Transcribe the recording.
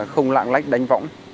không lạng lách đánh võng